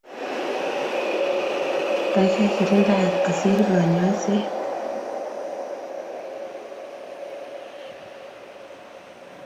Keikei kirindaet kosir kanyaiset